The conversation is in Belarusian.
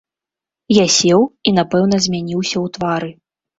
Я сеў, і, напэўна, змяніўся ў твары.